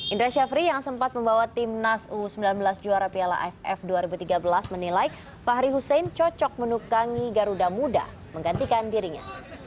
indra syafri yang sempat membawa tim nas u sembilan belas juara piala iff dua ribu tiga belas menilai pak hari husein cocok menukangi garuda muda menggantikan dirinya